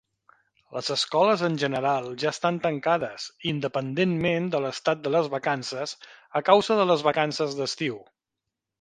Les escoles en general ja estan tancades, independentment de l'estat de les vacances, a causa de les vacances d'estiu.